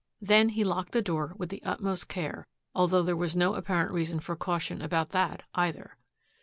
Then he locked the door with the utmost care, although there was no apparent reason for caution about that, either.